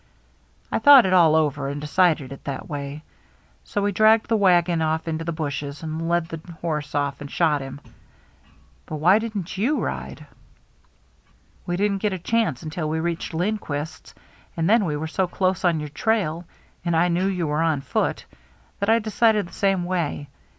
I thought it all over and de (■i<lc<l if that way. So we dragged the wagon oflf' into the bushesi and led the horse off and nhot him. But why didn't you ride ?"" Wc didn't get a chance until we reached Lindquist's. And then we were so close on HARBOR LIGHTS 377 your trail — and I knew you were on foot — that I decided the same way.